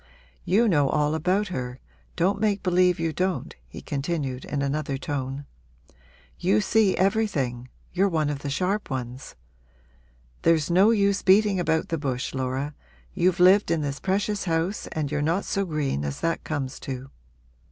'You know all about her don't make believe you don't,' he continued in another tone. 'You see everything you're one of the sharp ones. There's no use beating about the bush, Laura you've lived in this precious house and you're not so green as that comes to.